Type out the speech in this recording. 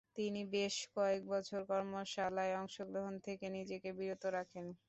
তিনি বেশ কয়েকবছর কর্মশালায় অংশগ্রহণ থেকে নিজেকে বিরত রাখেন।